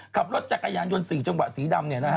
ขับรถจักรยานยนต์๔จังหวะสีดำ